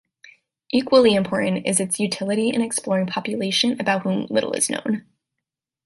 Equally important is its utility in exploring population about whom little is known.